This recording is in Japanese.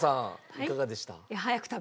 いかがでした？